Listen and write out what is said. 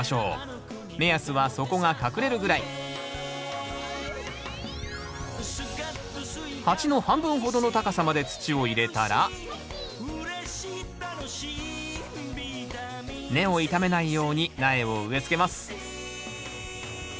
目安は底が隠れるぐらい鉢の半分ほどの高さまで土を入れたら根を傷めないように苗を植えつけます。